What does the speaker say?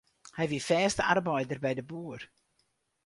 Hy wie fêste arbeider by de boer.